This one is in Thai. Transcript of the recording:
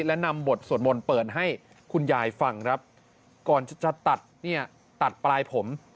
และนำบทสวดมนต์เปิดให้คุณยายฟังครับก่อนจะตัดเนี่ยตัดปลายผม